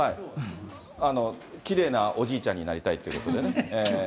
きれいなおじいちゃんになりたいってことでね。